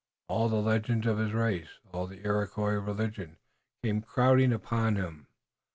All the legends of his race, all the Iroquois religion, came crowding upon him.